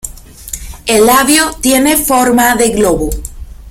El labio tiene forma de globo.